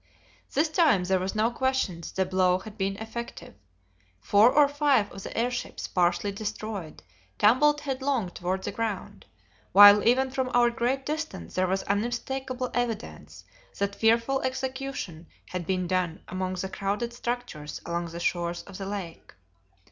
This time there was no question that the blow had been effective. Four or five of the airships, partially destroyed, tumbled headlong toward the ground, while even from our great distance there was unmistakable evidence that fearful execution had been done among the crowded structures along the shore of the Lake.